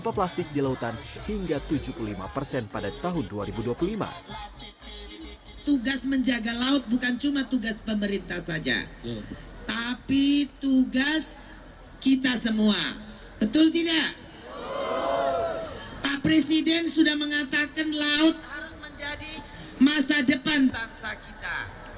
pak presiden sudah mengatakan laut harus menjadi masa depan bangsa kita